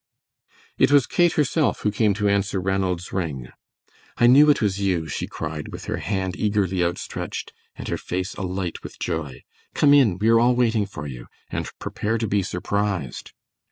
It was Kate herself who came to answer Ranald's ring. "I knew it was you," she cried, with her hand eagerly outstretched and her face alight with joy. "Come in, we are all waiting for you, and prepare to be surprised."